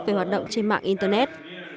về hoạt động trên mạng internet